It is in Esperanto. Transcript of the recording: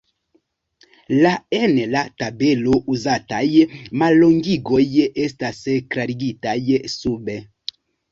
La en la tabelo uzataj mallongigoj estas klarigitaj sube.